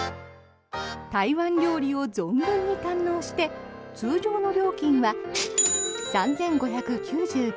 台湾料理を存分に堪能して通常の料金は３５９９円。